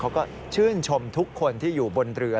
เขาก็ชื่นชมทุกคนที่อยู่บนเรือ